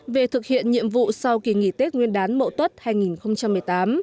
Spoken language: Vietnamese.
về thực hiện nhiệm vụ sau kỳ nghỉ tết nguyên đán mậu tuất hai nghìn một mươi tám